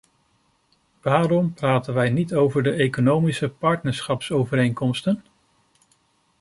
Waarom praten wij niet over de economische partnerschapsovereenkomsten?